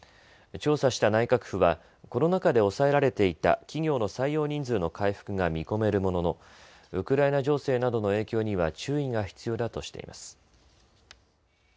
調査した内閣府はコロナ禍で抑えられていた企業の採用人数の回復が見込めるもののウクライナ情勢などの影響には注意が必要だとしています。